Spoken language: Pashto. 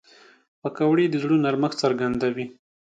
پکورې د زړه نرمښت څرګندوي